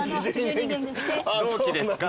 同期ですか？